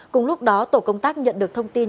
cùng lúc đó tổ công tác nhận được thông tin